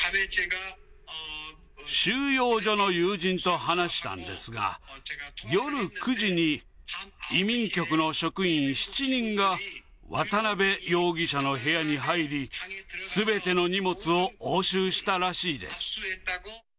収容所の友人と話したんですが、夜９時に移民局の職員７人が渡辺容疑者の部屋に入り、すべての荷物を押収したらしいです。